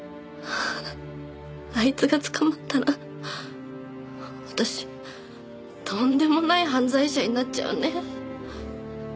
あいつが捕まったら私とんでもない犯罪者になっちゃうね。